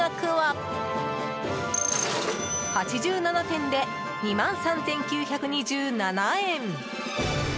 ８７点で２万３９２７円。